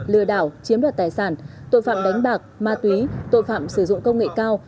lừa đảo chiếm đoạt tài sản tội phạm đánh bạc ma túy tội phạm sử dụng công nghệ cao